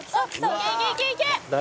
「いけいけいけいけ！」